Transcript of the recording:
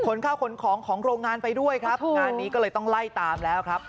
ข้าวขนของของโรงงานไปด้วยครับงานนี้ก็เลยต้องไล่ตามแล้วครับ